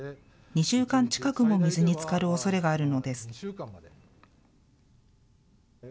２週間近くも水につかるおそれがあるのです。